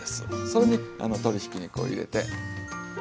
それに鶏ひき肉を入れて炊きます。